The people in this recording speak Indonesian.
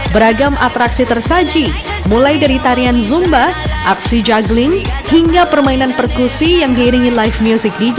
beragam atraksi tersaji mulai dari tarian zumba aksi juggling hingga permainan perkusi yang diiringi live music dj